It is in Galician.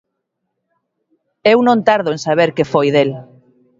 Eu non tardo en saber que foi del.